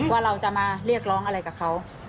ว่าเราจะมาเรียกร้องอะไรกับเขา